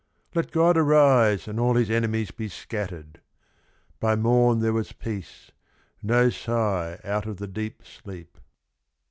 Let God arise and all his enemies Be scattered.' By morn there was peace, no sigh Out of the deep sleep."